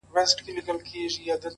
په حيرت حيرت پاچا ځان ته كتله!!